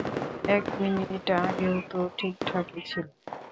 এক মিনিট আগেও তো ঠিকঠাকই ছিল।